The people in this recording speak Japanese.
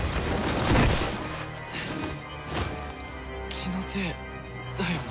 気のせいだよな。